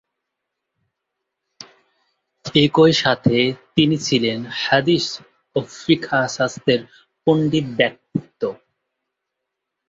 একই সাথে তিনি ছিলেন হাদিস ও ফিকহ শাস্ত্রের পণ্ডিত ব্যক্তিত্ব।